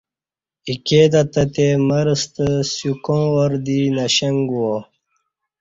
ایکے تہ تتے مرستہ سیوکں وار دی نݜنگ گو ا